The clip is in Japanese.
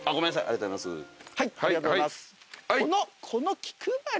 ありがとうございます。